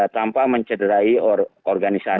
tanpa mencederai organisasi gitu